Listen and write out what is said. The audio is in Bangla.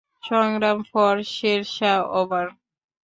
সংগ্রাম ফর শেরশাহ, ওভার!